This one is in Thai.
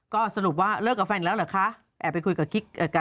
ก็สรุปว่าเลิกกับแฟนแล้วเหรอคะ